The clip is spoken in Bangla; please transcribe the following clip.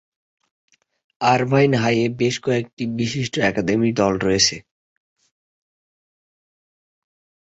আরভাইন হাইয়ে বেশ কয়েকটি বিশিষ্ট একাডেমিক দল রয়েছে।